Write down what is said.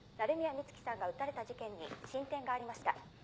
美月さんが撃たれた事件に進展がありました。